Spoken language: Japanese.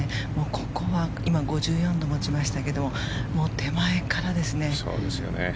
ここは今、５４度を持ちましたけど手前からですね。